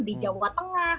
di jawa tengah